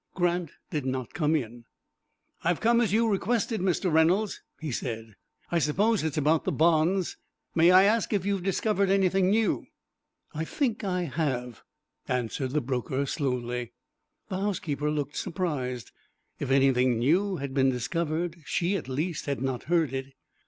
Grant did not come in. "I have come as you requested, Mr. Reynolds," he said. "I suppose it's about the bonds. May I ask if you have discovered anything new?" "I think I have," answered the broker, slowly. The housekeeper looked surprised. If anything new had been discovered, she at least had not heard it.